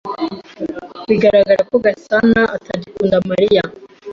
Biragaragara ko Gasanaatagikunda Mariya.